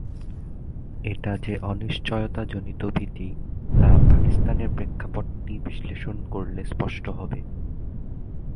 এটা যে অনিশ্চয়তাজনিত ভীতি, তা পাকিস্তানের প্রেক্ষাপটটি বিশ্লেষণ করলে স্পষ্ট হবে।